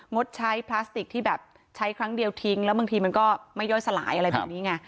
งดใช้พลาสติกที่แบบใช้ครั้งเดียวทิ้งแล้วบางทีมันก็ไม่ย่อยสลายอะไรแบบนี้ไง